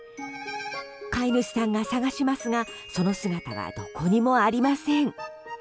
飼い主さんが探しますがその姿は、どこにもありません。